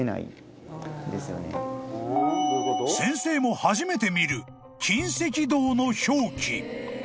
［先生も初めて見る「金石銅」の表記］